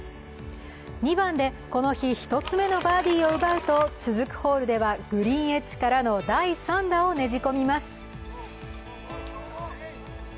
２番でこの日１つ目のバーディーを奪うと、続くホールではグリーンエッジからの第３打をねじ込みます。